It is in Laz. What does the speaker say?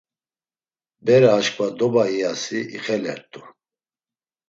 Bere aşǩva doba iyasi ixelert̆u.